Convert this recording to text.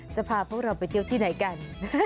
จะพาพวกเราไปเที่ยวที่ไหนกัน